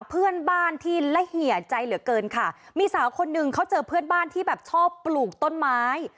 เพื่อนบ้านที่ละเหี่ยใจเหลือเกินค่ะมีสาวคนหนึ่งเขาเจอเพื่อนบ้านที่แบบชอบปลูกต้นไม้